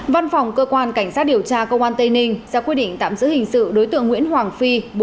văn phòng cơ quan cảnh sát điều tra công an tây ninh ra quyết định tạm giữ hình sự đối tượng nguyễn hoàng phi